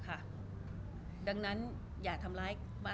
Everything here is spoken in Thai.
รูปนั้นผมก็เป็นคนถ่ายเองเคลียร์กับเรา